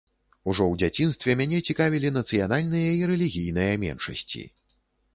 Ужо ў дзяцінстве мяне цікавілі нацыянальныя і рэлігійныя меншасці.